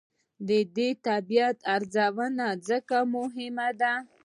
د دې طبیعت ارزونه ځکه مهمه ده.